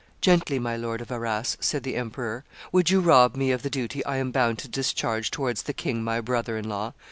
"Gently, my Lord of Arras," said the emperor; "would you rob me of the duty I am bound to discharge towards the king my brother in law?